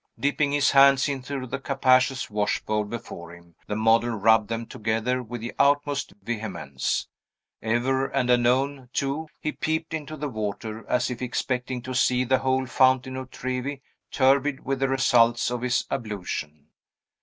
Dipping his hands into the capacious washbowl before him, the model rubbed them together with the utmost vehemence. Ever and anon, too, he peeped into the water, as if expecting to see the whole Fountain of Trevi turbid with the results of his ablution.